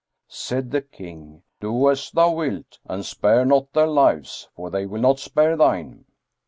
Said the King, "Do as thou wilt; and spare not their lives, for they will not spare thine."